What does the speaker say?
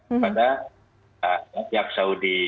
ya pada arab saudi